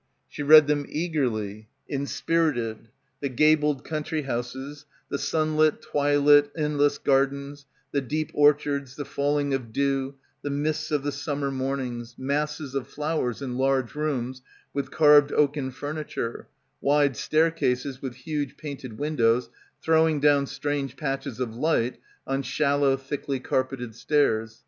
She read them eagerly, inspirited. The gabled country houses, the sunlit twilit endless gardens, the deep orchards, the falling of dew, the mists of the summer mornings, masses of flowers in large rooms with carved oaken furniture, wide stair cases with huge painted windows throwing down strange patches of light on shallow thickly car petted stairs.